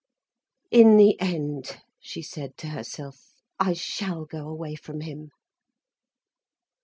"In the end," she said to herself, "I shall go away from him."